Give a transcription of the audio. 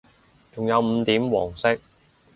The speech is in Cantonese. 仲有五點黃色